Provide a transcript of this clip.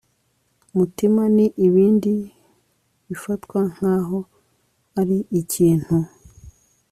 mutima n ibindi bifatwa nk aho ari ikintu